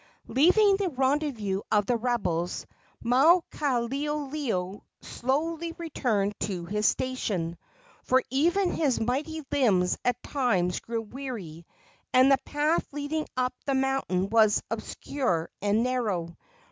Leaving the rendezvous of the rebels, Maukaleoleo slowly returned to his station, for even his mighty limbs at times grew weary, and the path leading up the mountain was obscure and narrow.